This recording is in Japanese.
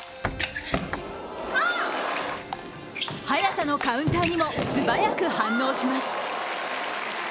早田のカウンターにも素早く反応します。